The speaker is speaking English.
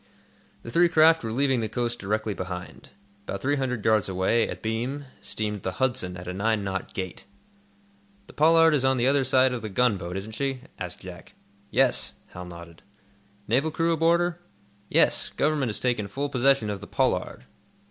The three craft were leaving the coast directly behind. About three hundred yards away, abeam, steamed the "Hudson" at a nine knot gait. "The 'Pollard' is on the other side of the gunboat, isn't she?" asked Jack. "Yes," Hal nodded. "Naval crew aboard her?" "Yes; Government has taken full possession of the 'Pollard.